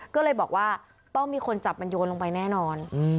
ก็เลยบอกว่าต้องมีคนจับมันโยนลงไปแน่นอน